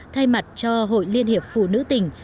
thay mặt cho hội liên hiệp phụ nữ tỉnh